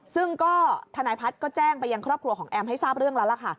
ซึ่งก็ทนายพัฒน์ก็แจ้งไปยังครอบครัวของแอมให้ทราบเรื่องแล้วล่ะค่ะ